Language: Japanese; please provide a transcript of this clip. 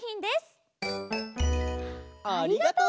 ありがとう。